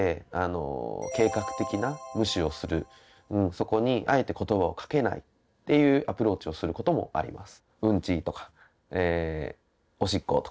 そこはあえてっていうアプローチをすることもあります。